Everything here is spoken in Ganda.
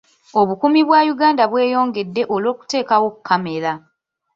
Obukuumi bwa Uganda bweyongedde olw'okuteekawo kkamera.